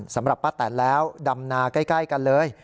สำหรับป้าแตนแล้วดำนาใกล้กันเลย